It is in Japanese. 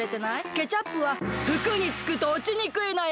ケチャップはふくにつくとおちにくいのよ！